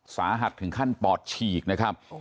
สาหัสถึงขั้นปอดฉีกนะครับ